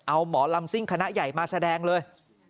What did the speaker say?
เอาหมอลำซิ่งคณะใหญ่มาแสดงเลย